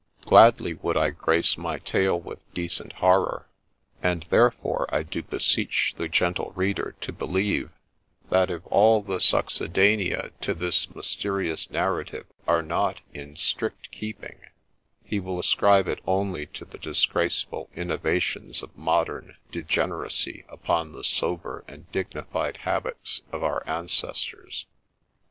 Gladly would I grace my tale with decent horror, and there 18 THE SPECTRE fore I do beseech the ' gentle reader ' to believe that if all the auccedanea to this mysterious narrative are not in strict keeping, he will ascribe it only to the disgraceful innovations of modern degeneracy upon the sober and dignified habits of our ancestors.